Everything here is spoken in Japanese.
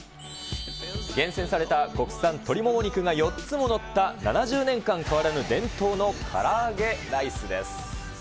厳選された国産鶏もも肉が４つも載った７０年間変わらぬ伝統の唐揚げライスです。